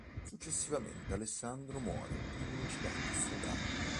Successivamente Alessandro muore in un incidente stradale.